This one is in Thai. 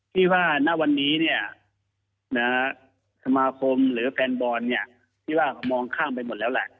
ที่ว่าณวันนี้เนี่ยสมาคมหรือแฟนบอลที่ว่ามองข้ามไปหมดแล้วแหละ